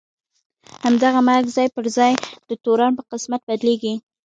همدغه مرګ ځای پر ځای د تورن په قسمت بدلېږي.